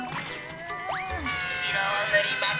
いろをぬります。